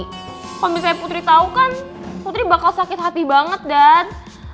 kalau misalnya putri tahu kan putri bakal sakit hati banget dan